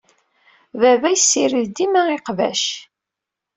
Baba yessirid dima iqbac.